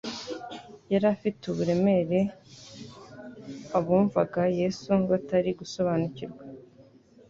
yari afite uburemere abumvaga Yesu batari gusobanukirwa.